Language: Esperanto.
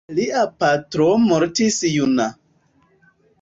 Lia patro mortis juna.